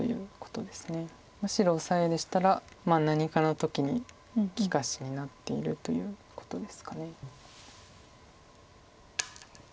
むしろオサエでしたら何かの時に利かしになっているということですか。